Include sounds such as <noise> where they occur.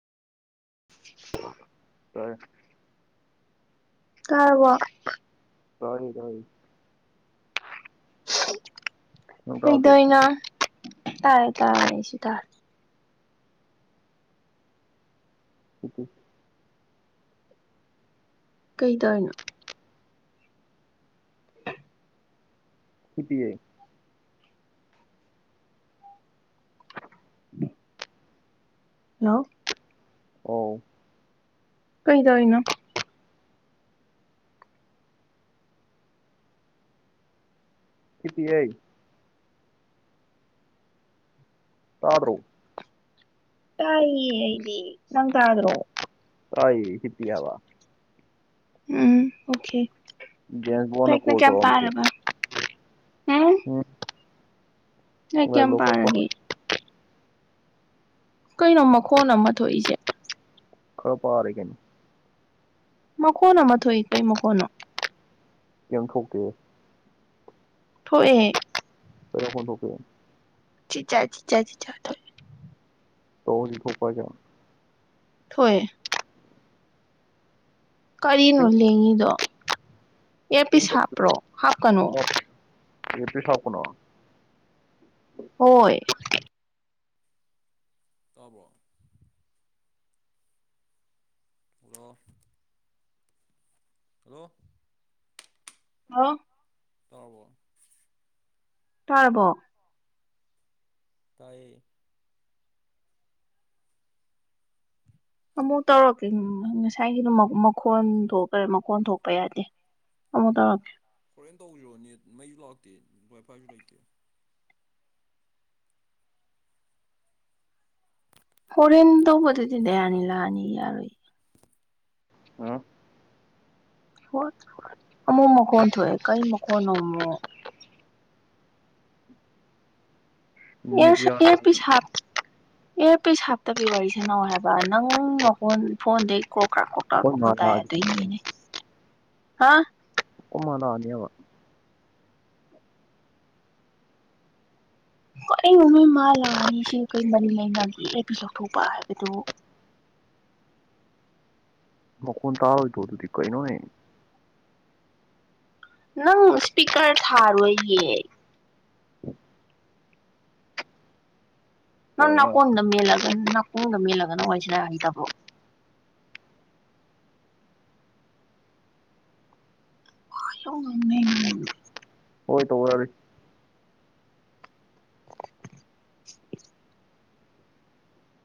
ꯐꯔ ꯀꯥꯔꯕꯣ ꯇꯅꯤ ꯇꯔꯤ ꯅꯪ <inaudible> ꯇꯥꯗ꯭ꯔꯣ ꯀꯗꯣꯏꯅ ꯇꯥꯔꯦ ꯇꯥꯔꯦꯁꯨ ꯇꯥꯔ ꯎꯀꯨ ꯀꯩ ꯇꯧꯔꯤꯅꯣ ꯍꯤꯞꯄꯤꯌꯦ <inaudible> ꯍꯜꯂꯣ ꯑꯎ ꯀꯩꯗꯧꯔꯤꯅꯣ ꯍꯤꯞꯄꯤꯌꯦ ꯇꯥꯗꯔꫭ ꯇꯥꯏꯌꯦ ꯑꯩꯗꯤ ꯅꯪ ꯇꯥꯗ꯭ꯔꯣ ꯇꯥꯏꯌꯦ ꯍꯤꯞꯄꯤ ꯍꯥꯏꯕ ꯎꯝ ꯑꯣꯀꯦ ꯖꯦꯝꯁ ꯕꯣꯟꯅ ꯂꯥꯏꯔꯤꯛꯅ ꯀꯣꯜ ꯀꯌꯥꯝ ꯇꯧꯔꯛ ꯑꯝ ꯃꯤꯗꯨꯗꯤ ꯄꯥꯔꯕ ꯎꯝ ꯅꯣꯏ ꯂꯥꯏꯔꯤꯛ ꯀꯌꯥꯝ ꯂꯣ ꯈꯔ ꯄꯥꯔꯒꯦ ꯄꯥ ꯀꯩꯅꯣ ꯃꯈꯣꯟ ꯑꯃ ꯊꯣꯛꯏꯁꯦ ꯈꯔꯥ ꯄꯥꯔꯦ ꯀꯩꯅꯣ ꯃꯈꯣꯟ ꯑꯃ ꯊꯣꯛꯏ ꯀꯩ ꯃꯈꯣꯟꯅꯣ ꯀꯩꯏꯝ ꯊꯣꯛꯇꯦ ꯊꯣꯛꯏ ꯀꯩ ꯃꯈꯣꯜ ꯊꯣꯛꯀꯦ ꯆꯤ ꯆꯥ ꯆꯤ ꯆꯥ ꯆꯤ ꯆꯥ ꯊꯣꯛꯏ ꯇꯧꯔꯤ ꯊꯣꯛ ꯄꯔꯣ ꯍꯥꯏꯁꯦ ꯊꯣꯛꯏ ꯀꯔꯤꯅꯣ ꯀꯩꯝ ꯂꯦꯡꯉꯤꯗꯣ ꯑꯦ ꯀꯩꯝ ꯄꯤꯁ ꯍꯥꯞꯄ꯭ꯔꯣ ꯍꯥꯞꯀꯅꯨ ꯑꯦ ꯄꯤꯁ ꯍꯞꯀꯅꯨ ꯍꯣꯏ ꯇꯥꯕꯔꯣ ꯍꯜꯂꯣ ꯍꯂꯣ ꯍꯥ ꯇꯥꯔꯕꯣ ꯇꯥꯏ ꯑꯃꯨꯛ ꯇꯧꯔꯛꯀꯦ ꯉꯁꯥꯏꯒꯤꯗ ꯃꯈꯣꯟ ꯊꯣꯛꯈꯔꯦ ꯃꯈꯣꯟ ꯊꯣꯛꯄ ꯌꯥꯗꯦ ꯑꯃꯨꯛ ꯇꯧꯔꯛꯀꯦ ꯍꯣꯔꯦꯟ ꯇꯧꯕꯤꯔꯛꯑꯣꯅꯦ ꯃꯩꯁꯨ ꯂꯥꯛꯇꯦ ꯋꯥꯏꯐꯥꯏꯁꯨ ꯂꯩꯇꯦ ꯍꯧꯔꯦꯟ ꯇꯧꯕꯗꯨꯗꯤꯅꯦ ꯗꯌꯥꯅꯤ ꯂꯥꯛꯑꯅꯤ ꯌꯥꯔꯣꯏ ꯑ ꯍꯣꯏ ꯑꯃꯨꯛ ꯃꯈꯣꯟ ꯊꯣꯛꯑꯦ ꯀꯔꯤ ꯃꯈꯀꯣꯟꯅꯣ ꯅꯦꯠ ꯌꯥꯗꯦ ꯑꯦꯔ ꯄꯤꯁꯞ ꯑꯩꯈꯣꯏ ꯍꯥꯄ ꯑꯦꯔ ꯄꯤꯁ ꯁꯥꯞꯇꯕꯤ ꯋꯥꯔꯤꯁꯅꯧ ꯍꯥꯏꯕ ꯅꯪ ꯐꯣꯟꯗꯤ ꯀ꯭ꯔꯣ ꯀ꯭ꯔꯥ ꯀ꯭ꯔꯣꯛꯀꯔꯛ ꯃꯥ ꯃꯈꯣꯟ ꯂꯥꯛꯑꯗꯤ ꯇꯥꯏꯗꯣꯏꯅꯤꯅꯦ ꯍꯥ ꯑꯩꯈꯣꯏ ꯃꯥ ꯂꯛꯑꯅꯤꯕ ꯀꯔꯤꯅꯣ ꯃꯣꯏ ꯃꯥ ꯂꯥꯛꯑꯅꯤ ꯁꯤ ꯀꯔꯤ ꯃꯔꯝ ꯂꯩꯅꯒꯤ ꯑꯦꯔ ꯄꯤꯁ ꯂꯧꯊꯣꯛꯄ ꯍꯥꯏꯕꯗꯨ ꯃꯈꯣꯟ ꯇꯥꯔꯣꯏꯗꯔꯣ ꯑꯗꯨꯗꯤ ꯀꯩꯅꯣꯅꯦ꯫ ꯅꯪ ꯏꯁꯄꯤꯀꯔ ꯊꯥꯔꯣꯏꯌꯦ ꯅꯪ ꯍꯣꯏ ꯑ ꯅꯥꯀꯣꯡꯗ ꯃꯦꯜꯂꯒ ꯅꯥꯀꯣꯡꯗ ꯃꯦꯜꯂꯒꯅ ꯋꯥꯔꯤꯁꯅꯕ ꯍꯩꯇꯕ꯭ꯔꯣ꯫ <unintelligible> ꯅꯗꯤ ꯍꯣꯏ ꯇꯧꯔꯛꯑꯒꯦ